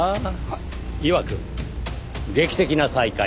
いわく劇的な再会。